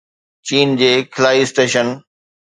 چين جي خلائي اسٽيشن